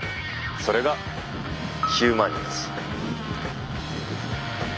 それが「ヒューマニエンス」。